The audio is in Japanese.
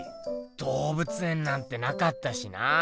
どうぶつ園なんてなかったしな。